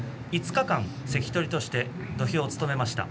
５日間関取として土俵を務めました。